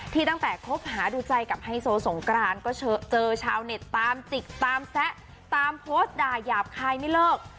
ตั้งแต่คบหาดูใจกับไฮโซสงกรานก็เจอชาวเน็ตตามจิกตามแซะตามโพสต์ด่ายาบคายไม่เลิก